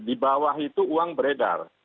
di bawah itu uang beredar